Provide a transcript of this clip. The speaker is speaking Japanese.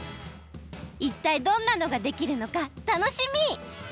いったいどんなのができるのか楽しみ！